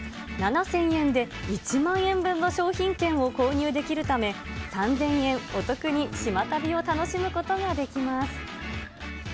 ７０００円で１万円分の商品券を購入できるため、３０００円お得に島旅を楽しむことができます。